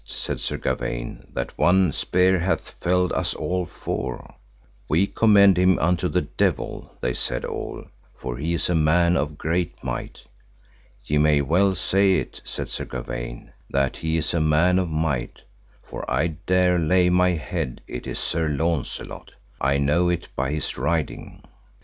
said Sir Gawaine, that one spear hath felled us all four. We commend him unto the devil, they said all, for he is a man of great might. Ye may well say it, said Sir Gawaine, that he is a man of might, for I dare lay my head it is Sir Launcelot, I know it by his riding.